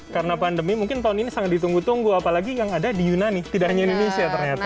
karena pandemi mungkin tahun ini sangat ditunggu tunggu apalagi yang ada di yunani tidak hanya indonesia ternyata